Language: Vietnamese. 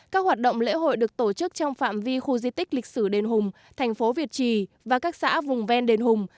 các hoạt động lễ hội được tổ chức trong phạm vi khu di tích lịch sử đền hùng thành phố việt trì và các xã vùng ven đền hùng